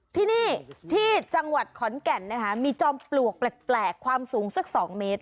ที่นี่ที่จังหวัดขอนแก่นมีจอมปลวกแปลกความสูงสัก๒เมตร